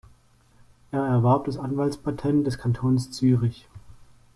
Er erwarb das Anwaltspatent des Kantons Zürich.